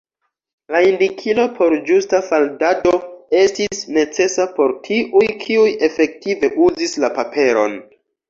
La indikilo por ĝusta faldado estis necesa por tiuj, kiuj efektive uzis la paperon.